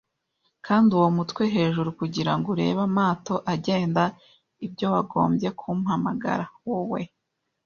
kandi uwo mutwe hejuru kugirango urebe amato agenda. Ibyo wagombye kumpamagara? Wowe